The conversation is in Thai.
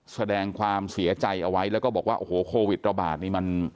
แสดงความเสียใจเอาไว้แล้วก็บอกว่าโอ้โหโควิดระบาดนี่มัน